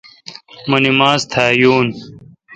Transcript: مہ نماز تھا یون۔